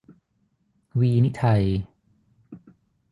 วีนิไทย